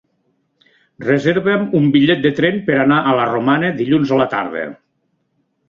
Reserva'm un bitllet de tren per anar a la Romana dilluns a la tarda.